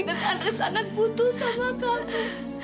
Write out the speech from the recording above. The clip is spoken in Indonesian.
tante anak butuh sama tante